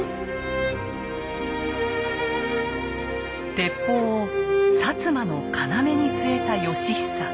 鉄砲を摩の要に据えた義久。